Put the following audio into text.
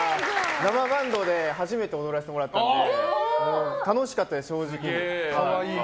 生バンドで初めて踊らせてもらったんで楽しかったです、正直に。